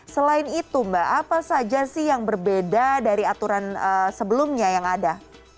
selain itu mbak apa saja sih yang berbeda dari aturan sebelumnya yang ada